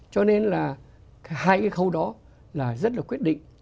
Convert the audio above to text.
cho nên là hai cái khâu đó là rất là quyết định